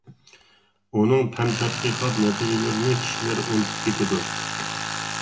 ئۇنىڭ پەن تەتقىقات نەتىجىلىرىنى كىشىلەر ئۇنتۇپ كېتىدۇ.